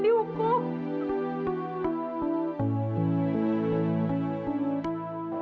kita harus ikut dia